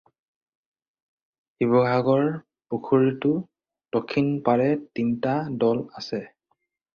শিৱসাগৰ পুখুৰীটোৰ দক্ষিন পাৰে তিনিটা দ'ল আছে।